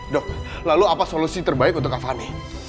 dok lalu apa solusi terbaik untuk kak fani